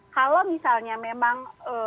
kalau misalnya memang